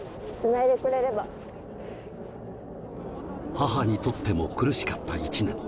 母にとっても苦しかった１年。